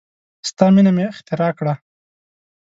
ستا مینه مې اختراع کړه